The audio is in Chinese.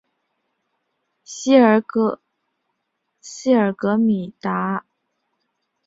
希尔格尔米森是德国下萨克森州的一个市镇。